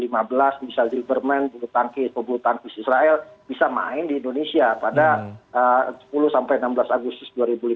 misalnya dibermain buku tangkis israel bisa main di indonesia pada sepuluh sampai enam belas agustus dua ribu lima belas